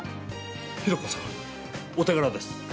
ヒロコさん、お手柄です。